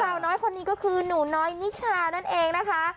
สาวน้อยคนนี้ก็คือหนูน้อยนิชานั่นเองนะคะ